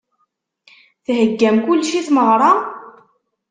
Theggam kullec i tmeɣra?